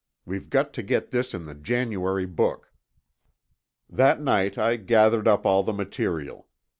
We've got to get this in the January book." That night I gathered up all the material.